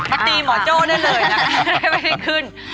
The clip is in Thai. มาตีหมอโจ้ได้เลยนะไม่ให้ขึ้น